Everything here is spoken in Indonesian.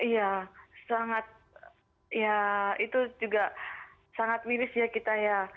iya sangat ya itu juga sangat miris ya kita ya